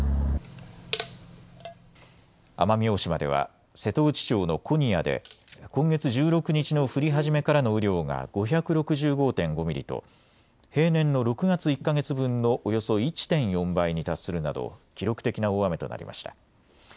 奄美大島では瀬戸内町の古仁屋で今月１６日の降り始めからの雨量が５６５．５ミリと平年の６月１か月分のおよそ１．４倍に達するなど記録的な大雨となりました。